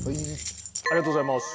ありがとうございます。